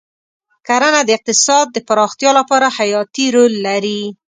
کرنه د اقتصاد د پراختیا لپاره حیاتي رول لري.